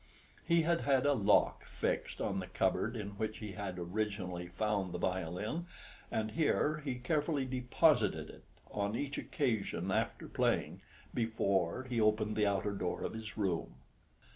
He had had a lock fixed on the cupboard in which he had originally found the violin, and here he carefully deposited it on each occasion after playing, before he opened the outer door of his room.